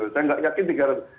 saya nggak yakin tiga ratus